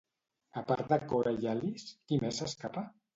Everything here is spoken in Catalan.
A part de Cora i Alice, qui més s'escapa?